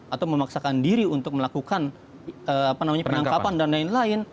atau memaksakan diri untuk melakukan penangkapan dan lain lain